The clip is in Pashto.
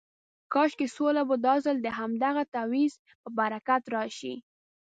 کاشکې سوله به دا ځل د همدغه تعویض په برکت راشي.